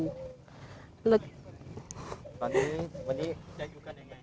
วันนี้จะอยู่กันอย่างไร